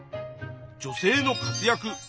「女性の活躍」。